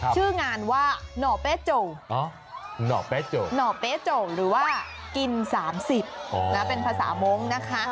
ชื่องานว่านอเปโจหรือว่ากินสามสิบเป็นภาษามงนะคะ